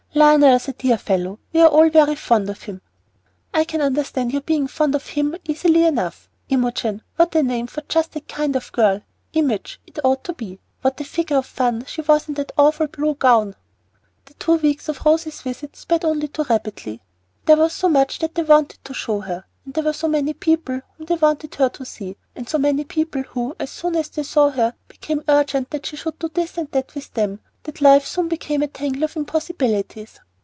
"Lionel's a dear fellow. We are all very fond of him." "I can understand your being fond of him easily enough. Imogen! what a name for just that kind of girl. 'Image' it ought to be. What a figure of fun she was in that awful blue gown!" The two weeks of Rose's visit sped only too rapidly. There was so much that they wanted to show her, and there were so many people whom they wanted her to see, and so many people who, as soon as they saw her, became urgent that she should do this and that with them, that life soon became a tangle of impossibilities.